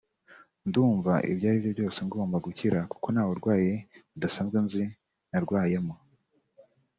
ndumva ibyo ari byo byose ngomba gukira kuko nta burwayi budasanzwe nzi narwayemo